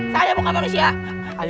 saya bukan manusia